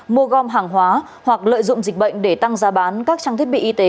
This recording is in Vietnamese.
mua gom hàng hóa hoặc lợi dụng dịch bệnh để tăng giá bán các trang thiết bị y tế